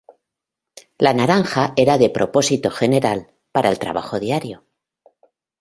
La naranja era de propósito general, para el trabajo diario.